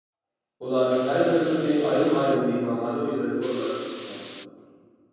ئۇلار ھەر بىرىمىزنى ئايرىم-ئايرىم مېھمانخانا ئۆيلىرىگە ئورۇنلاشتۇرۇپتۇ.